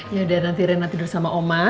yaudah nanti rena tidur sama oma